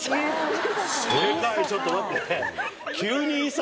正解ちょっと待って。